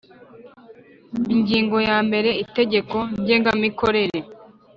Ingingo ya mbere Itegeko Ngengamikorere